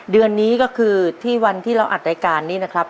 เดือนนี้ก็คือที่วันที่เราอัดรายการนี้นะครับ